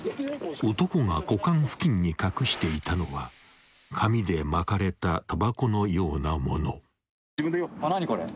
［男が股間付近に隠していたのは紙で巻かれたたばこのようなもの］